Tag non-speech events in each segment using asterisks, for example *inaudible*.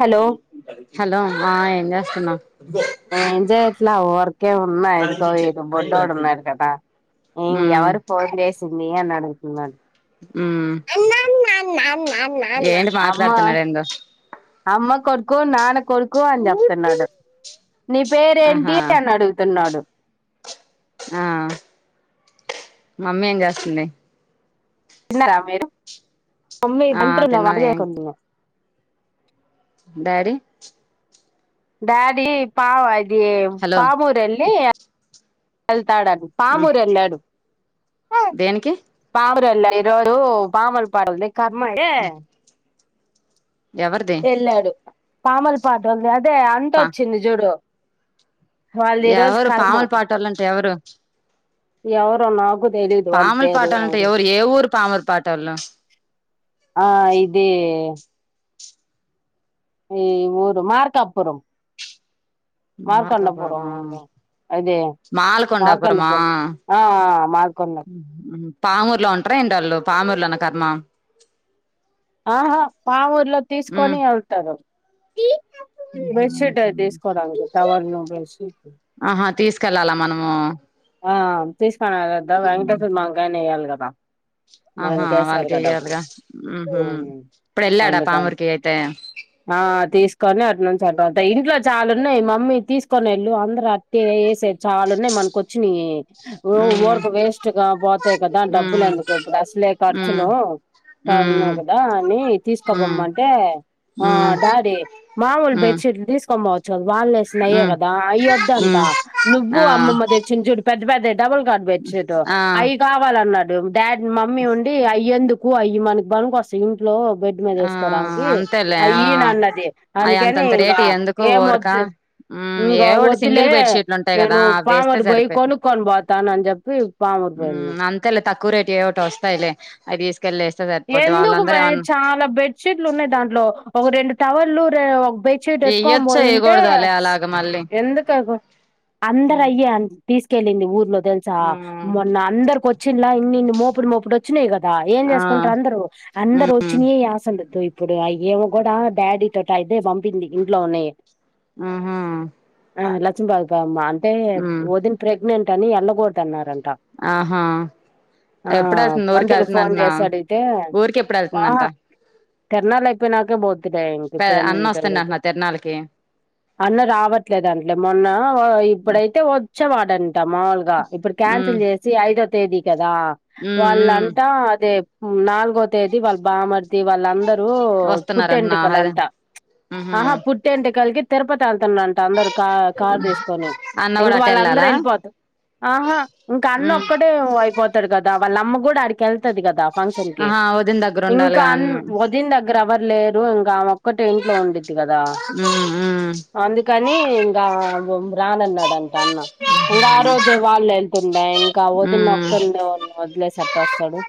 Hello hello ఆ ఏం చేస్తున్నావ్ ఏం చెయట్లా ఊరకే ఉన్నా ఇదిగో ఈడు బొడ్డోడు ఉన్నాడు కదా. ఊ ఉమ్ ఎవరు పోన్ చేశిందీ అని అడుగుతున్నాడు. ఉమ్ ఏంటి అమ్మో మాట్లాడుతున్నాడు ఏందో అమ్మ కొడుకూ నాన్న కొడుకూ అని చెప్తున్నాడు. నీ ఆహా పేరేంటి అని అడుగుతున్నాడు. ఆ మమ్మీ ఏం చేస్తుంది. తిన్నరా మీరు మమ్మీ ఆ వంటరూమ్ లో తిన్నా వంట ఏం చేయకుండ ఉంది. డాడీ డాడీ పావ్ అదీ హలో పామూరెళ్ళీ *inaudible* ఎళ్ తాడన్ ఉమ్ పాముూరెళ్ళాడు. దేనికి పామురెళ్ళాడ్ ఈ రోజూ పామూరు పాటేల్ది కర్మ ఐతే ఎవరిది ఎళ్ళాడు పామురు పాట్వల్ది అదే పా అనితావొచ్చింది జూడు. ఎవరు పామురు పాటోళంటే ఎవరు ఎవరో నాగు పామురు పాటోళంటే ఎవరు ఏ ఊరు పామురు పాటోళ్ళు. ఆ ఇదీ ఈ ఊరు మార్కాపురం మార్కొండాపురం. మార్కాపురమా అదే మాల్కొండాపురమా మార్కొండపురం ఆ ఆ మార్కొండా. పామూర్లో ఉంటరా ఏంటి ఆళ్ళు పామూరులోనా కర్మా. ఆహా పామూర్ర్లో తీసుకొని ఎళ్తారు. బెడ్షీట్ అయి ఉమ్ తీసుకోవడానికి టవళ్ళు బెడ్షీట్లు. కెళ్ళాలా మనమూ ఆ తీస్కోనెళ్ళద్దా వెంకటేశర్వ మావయ్యగ్ గాని ఎయ్యాలి గదా. ఆహా వాళ్ళకి మనోళ్ళకేసారుగా వెయ్యాలిగా డబ్బులతో ఉహు ఊ ఇప్పుడు ఎళ్ళాడా పాముర్కి అయితే. ఆ తీసుకొనీ అటు నుంచ్ అటు అంతా ఇంట్లో చాలున్నాయి మమ్మీ తీసుకొని ఎళ్ళు అందరు అత్తే ఏసెయ్ చాల ఉన్నాయ్ మనకొద్ద్ చ్చునీయే ఊ ఉమ్ ఊరకు వేస్ట్ గా పోతెయ్ కదా డబ్బులు ఉమ్ ఎందుకు ఇప్పుడస్లే ఉమ్ ఖర్చులూ. ఉమ్ చాలున్నాయి గదా అనీ ఉమ్ తీసుకబొమ్మంటే ఆ ఉమ్ డాడీ మామూలు ఉమ్ బెడ్షీట్ షీట్లు తీసుకొన్పోవచ్చు గద వాళ్ళేశినై అయ్యే ఉమ్ గదా అయ్యొద్దంటా ఉమ్ నువ్వూ ఆ అమ్మమ్మ దెచ్ పెద్ద పెద్దయి డబుల్ కార్ట్ బెడ్షీట్ ఆ అయి కావాలన్నాడు డాడీ, మమ్మీ ఉండి అయి ఎందు కు అయి మనకు బనుకొస్తయి ఇంట్లో బెడ్ మీద ఆ ఏసుకోవడానికి అంతేలే అయి ఆ ఈయనన్నది అయి అందుకని అంతంత ఇంకా రేటు ఎందుకు ఏం ఊరక వద్దు ఉమ్ ఇంగా ఏవోటి సింగిల్ వద్దులే బెడ్షీట్లు ఉంటాయి కదా నేను అవి వేస్తే పామరి బోయి సరిపోయిద్ది కొనుక్కొని బొతాను అనిచెప్పి పామురు పోయినా. మ్మ్ అంతేలే తక్కువ రేటుయి ఏవోటి వస్తాయిలే, అయి తీసుకెళ్ళేస్తే సరిపోద్ది వాళ్ళ అందరు ఏం అన్ బెడ్ షీట్లు ఉన్నయి దాంట్లో ఒక రెండు టవల్లు రెం ఒ బెడ్ షీట్ ఎత్తుకొని ఎయ్యొచ్చో పోయింటే ఎయ్యకూడదోలే అలాగ మళ్ళీ ఎందుకు అగో అందరు మ్మ్ అయ్యే అని తీసుకెళ్ళింది ఊర్లో తెలుసా, మొన్న అందరికి వచ్చినలా ఇన్నిన్ని మో పుడు మోపుడు వచ్చినయి కదా ఏం ఆ చేస్ కుంటరు అందరు. అందరు మ్మ్ వచ్చినయే ఆసందుతో ఇప్పుడు అయి ఏమో కూడా డాడీ తోటయితే వంప్ పింది ఇంట్లో ఉన్నయే మ్హూ ఆ లచ్చుమ్ బాయ్ పా అమ్మా అంటే మ్మ్ వదిన ప్రెగ్నెంట్ అని ఎళ్లకూడదు అన్నారం ఆహా ఎప్పుడెళ్తుంది ఊరికి పంతులు ఎళ్తుంది ఫోన్ అంటనా. చేసి ఊరికి ఎప్పుడు ఎళ్తుందంటా. తిర్నాల్ అయిపోయినాకే పోద్దిలే ఇంక పె ఇప్పుడు అన్న ఎందుకెళ్ళేది. వస్తుండంటనా తిరునాళ్ళకి అన్న రావట్లేదంటలే మొన్నా ఇప్పుడైతే వ వచ్చేవాడంట మాములుగా ఇప్పుడు మ్మ్ క్యాన్సిల్ చేసి ఐదో తేదీ క దా మ్మ్ మ్మ్ వాళ్ళంటా అదే నాలుగో తేదీ వాళ్ళ బామ్మరిది వాళ్ళందరు డు వస్తున్నారంటనా పుట్టెంటుకలు అదే అంటా మ్హూ ఆహా పుట్టెంటుకలకి తిరుపతి ఎల్ తురంటా అందరు కా కార్ తీసుకొని అన్న ఇంకా కూడా వాళ్ళ అందరు అటెళ్ళాలా ఎళ్ళిపోతా ఆహా ఇంకా అన్న మ్మ్ ఒక్కడే అయిపోతడు కదా, వాళ్ళ అమ్మ కూడా ఆడికి ఎళ్తది కదా. ఫంక్షన్కి ఆహా వదిన ఇంకా దగ్గరుండాలిగా అన్ అని వదిన దగ్గర ఎవ్వరు లేరు ఇంగ ఆమే ఒక్కటే ఇంట్లో ఉండిద్ది కదా. హ్ అందుకని ఇంగా రానన్నాడం ట అన్న ఇంగ ఆ రోజే వాళ్ళు ఎళ్తుండే ఇంకా వదిన ఉమ్ ఒక్కల్నే వదిలేసి ఎ ట్ట వస్తడు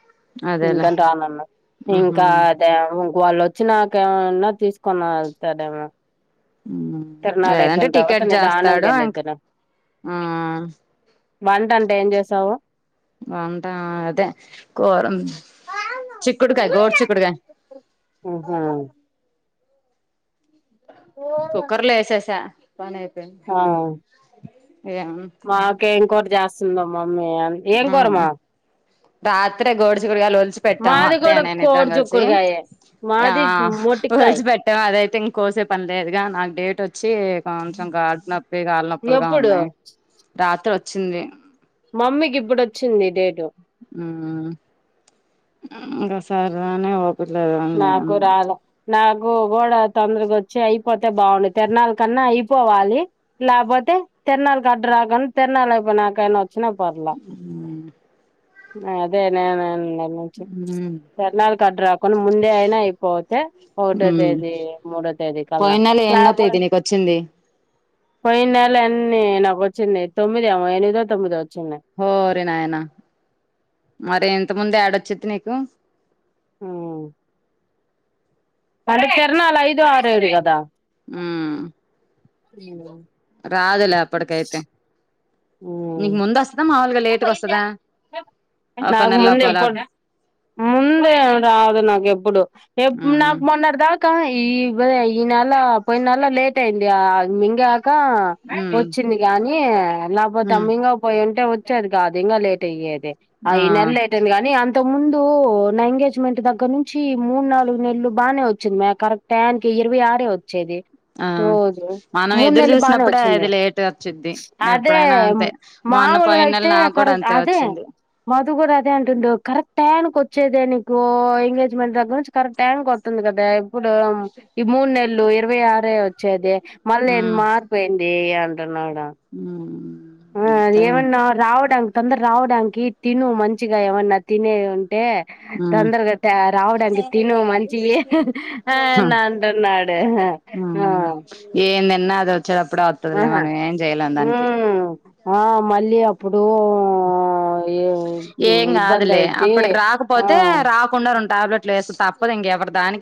అదేలే ఇంకని రానన్నారు ఉహు ఇంకా అదే వాళ్ళు వచ్చినాక ఏమన్నా తీసుకొని వెళ్తాడేమో. ఉమ్ తిర్నాల్ లేదంటే అయిపోయిన తర్వాత టికెట్ చేస్తాడు నిదానంగా ఇంక ఎళ్ళిద్దను. ఆ వంట అంట ఏం చేసావు? వంటా అదే కూర ఉం చిక్కుడుకాయ గోరుచిక్కుడుకాయ. ఆహా కుక్కర్లో ఎసేసా పని అయిపోయింది. ఆ! ఏం మాకేం కూర చేస్తుందో మమ్మీ. ఏం కూర ఉమ్ మా. రాత్రే గోడ్చిక్కుడుకాయలు వొ ల్చి పెట్టాము మాది అత్తయ్య, కూడా నేను ఇద్దరం కోడి కలిసి చిక్కుడుకాయే ఆ మాది మొటికాయ్ వొల్చి పెట్టాము అదైతే ఇం కోసే పని లేదుగా నాకు డేట్ వచ్చి కొంచెం గాడ్పునోప్ ప్పి కాళ్ళ నొప్పులుగా ఎప్పుడు ఉన్నాయి. రాత్రి వచ్చింది. మమ్మీకి ఇప్పుడు వచ్చింది డేటు. హ్ ఇంగ సరే అని ఒ నాకు రాలా నా కు కూడా తొందరగా వచ్చి అయిపోతే బావుండు. తిరనాల కన్నా అయిపోవాలి లేకపోతే తిరునాళ్కు అడ్డురావు కానీ తిరునాళ్ అయిపోయినాకయిన వొ హ్ నా అదే నేనే నిన్నట్ నుచ్చి మ్మ్ తర్నాలు కడ్రాక్ రాకుండా ముందే అయినా అయిపోతే ఒకటో తేదీ మూడో తేదీ కల్లనా ఏనో తేదీ నీకొచ్చింది. పోయిన్ నెల ఎన్ని నాకు వచ్చింది. తొమ్మిది ఏమో ఎనిమిదో తొమ్మిదొత్ హోరి నాయనా మరి ఇంత ముందు యేడొచ్చేది నీకు హుహ్ పండు చెరనల్ ఐదో ఆరు ఏడో గదా. హుహ్ అయ్యాయో రాదులే అప్పటికైతే, నీకు ఉమ్ ముందు వస్తదా మా ఒక్కో నాకు నెల ముందే ఒక్కోలా ఎప్పుడ్ ముందేమ్ రాదు నాకు ఎప్పుడు. ఏప్ మ్మ్ నాకు మొన్నడ్ దా కా ఇవదే ఈ నెల పోయ్ నెల లేేట్ అయింది మింగాక్ కా మ్మ్ వచ్చింది గానీ లేకపోతే ఆ మ్మ్ మీగక్ పోయింటే ఒచ్ చది కాదు ఇంకా లేట్ అయ్యేది ఆ ఈ నెల లేట్ అయింది గానీ అంత్ ఇంత ముందు నా ఎంగేజ్మెంట్ దగ్గర నుంచి మూడు నాలుగు నెలలు బానే వచ్చింది మే కరెక్ట్ టైంకి ఇరవై ఆరే వచ్చేది. ఆ రోజు మనం మూడు ఎదురు నెలలు బానే జూసినప్పుడే వచ్చింది అది లేట్ వచ్చిద్ది. ఎప్పుడైనా అంతే మ నాపైనల్ టే ఆ కరు అదే మధు గుడంత్ దే అంటుందో కరెక్ట్ టయానికి వచ్చేదే నీకు ఎంగేజ్మెంట్ దగ్గర నుంచి కరెక్ట్ ట వతుంది కదా ఎప్పుడ్ తొడం ఈ మునేళ్ళు ఇరవై ఆరే ఒత్ చ్చేది మళ్ళీ ఏంది మారిపోయింది అంటున్నాడు. ఉహ్మ్ ఆ ఎవనో రావడంగ్ తొందర రావడానికి తిను మంచిగా ఏమన్నా తినేద్ ఉంటే ఉమ్ తొందరగాతే రావడానికి తిను మంచి యే ఆ హ నంటన్నాడు. ఆ ఉమ్ ఏం తిన్నా అది వచ్చేటప్పుడే వత్తదిలే ఆహా మనం ఏం చేయలేం దానికి ఉమ్ ఆ మళ్ళీ అప్పుడు ఉ ఏం గాదులే అప్పటికి ఆ రాకపోతే రాకుండా రొండ్ టాబ్లెట్ ఏస్తే తప్పదు. ఇంగా ఎవరు దానిక్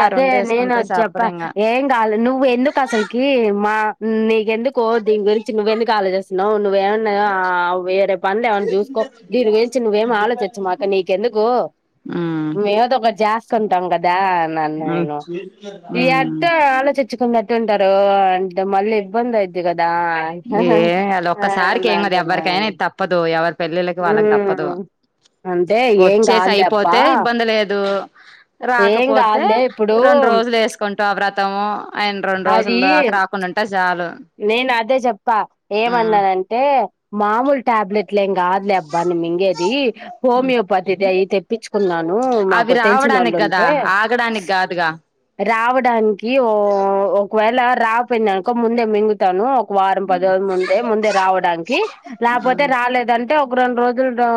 అదే నేను చెప్పా ఏం కాలే నువ్వు ఎందుకు అసలకి మా నీ ఎందుకో దీని గురించి నువ్వ ఎందుకు ఆలోచిస్తున్నావ్. నువేవన్న వేరే పనులు ఏవన్నా జూసుకో దీ వెంచి నువ్వేమ్ ఆలోచిచ్చా మాకు నీకెందుకు ఉమ్ మేమ్ ఏదో ఒకట్ జాస్త్ ఉంటాం కదా అనే ఉమ్ ఇను ఇగా యట ఉమ్ ఆలోచించకుండా ఎటు ఉంటరు అంటే మళ్ళీ ఇబ్బందయిది గాద్ దా ఆంట్ ఏం అది ఆ ఒక్కసారికి ఏం కాదు నాంటన్నా ఎవరికైనా ఇది తప్పదు ఎవరి పెళ్ళిళ్ళకి వాళ్ళకి తప్పదు ఉహ్మ్ అంతే ఏం వచ్చేసి కాదులే అబ్బా. అయిపోతే ఇబ్బంది లేదు ఏం రాకపోతే కాదులే ఇప్పుడు రొండ్ రోజులు ఏసుకుంటవ్ ఆ వ్రత్ త్తము ఆయన్ రెండు అది రోజుల్లోకా రాకుండా ఉంటే జాలు. ఏ జెప్పా ఏమనదంటే మామూలు టాబ్లెట్లు ఏం గద్. లేబ్బాని మింగేది ఉమ్ హోమియోపతి దయ్ తెప్పించుకున్నాను మాకు తెలిసిన ఓళ్ళు ఉంట్లే ఆ ఆగడానికి కాదుగా రావడానికి ఓ ఒకవేళ రాపోయినంద్ అనుకో ముందే మింగుతాను ఒక వారం పది ఉమ్ రోజు ముందే ముందే రావడానికి లేకపోతే రాలేదంటే క రెండు రోజులు డో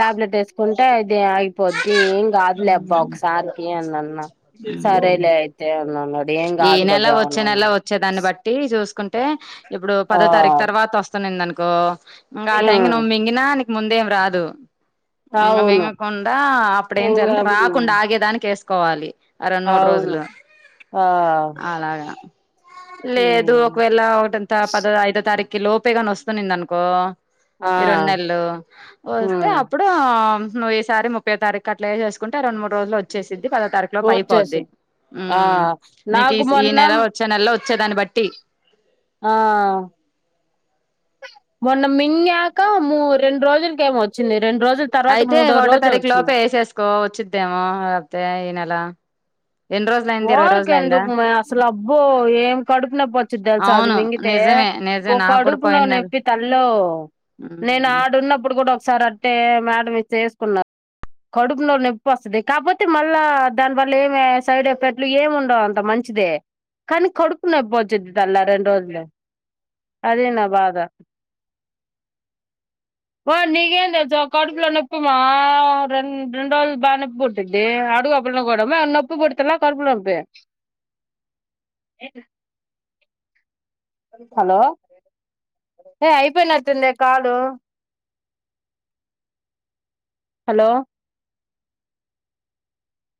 టాబ్లెట్ ఏసుకుంటే ఇది అయిపోద్ తి ఏం కాదు లే అబ్బా ఉమ్ ఒకసారికి అని అన్నా ఉమ్ సరేలే అయితే అని అన్నాడు ఏం ఈ కాదు నెల కదా వచ్చే అవునవును నెల వచ్చే దాన్ని బట్టి చూసుకుంటే ఇప్పుడు ఆ పదో తారీఖు తర్వాత వస్తునిందను కో ఇంగ ఆ టైం హ్మ్ నువ్వు మింగినా నీకు ముందేం రాదు ఉమ్ ఇంగ అవును మింగకుండా అప్పుడు ఏం ఇంగా చేయాలంటే హ్మ్. రాకుండా ఆగేదానికి ఏసుకోవాలి ఆ రెండు మూడు అవును రోజులు ఆ అలాగా లేదు హ్మ్ ఒకవేళ ఒకటంత పద ఐదో తారీఖి లోపేగాని వస్తనింది అనుకో ఆ ఈ రెండు నెలలు వస్తే హ్మ్ అప్పుడు ఆంనువ్ ఈసారి ముప్పై యో తారీఖు కట్లగే చేసుంటే రెండు మూడు రోజులో వచ్చేసి చిద్ది పదో తారీఖు లోపు అయిపోద్ది వచ్చేసింది ఆ ఉమ్ నీకు ఈ నాకు ఈ మొన్న నెల వచ్చే నెల్లో చ్చే దాన్ని బట్టి ఆ మొన్న మింగాక మూ రెండు రోజులకేమో వచ్చింది రెండు రోజుల తర్వాత అయితే మూడో ఒకటో రోజు తారీఖు వచ్చింది లోపే ఏసేసుకో వచ్చిద్దేమో లేకపోతే ఈ నెల ఎన్ని రోజులు అయింది ఇరవై రోజులు అయిందా ఊరికెందుకు మే అసలు అబ్బో ఏం కడుపునొప్పి వచ్చుది తెలుసా అది అవును మింగితే నిజమే బో నిజమే నాకు కూడా కడుపు లో పోయిన నెల నొప్పి తల్లో నేను ఉమ్ ఆడున్నప్పుడు గూడా సారి అట్టే మేడం ఇస్తే ఏసుకున్నా కడుపు లో నొప్పి వస్తది కాపోతే మళ్ళా దానివల్ల ఏమే సైడ్ ఎ పెట్లు ఏముండవు అంత మంచిదే కానీ కడుపు నొప్పొచ్చుద్ది తల్ల రెండు రోజులు అదే నా బాధ అ ఓ నీకేం తెలుసు కడుపులో నొప్పి మా రెం రెండు రోజులు బా నొప్పి పుట్టిద్ది అడుగు అ పిల్లని గూడా మే నొప్పి పుడు తలా కడుపు లోప్పి ఏ ఐపోయినట్టుందే కాలు *unintelligible* హలో